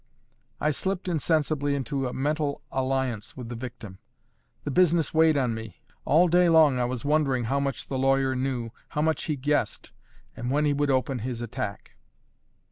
I slipped insensibly into a mental alliance with the victim; the business weighed on me; all day long, I was wondering how much the lawyer knew, how much he guessed, and when he would open his attack.